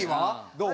どう？